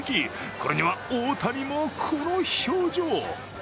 これには、大谷もこの表情。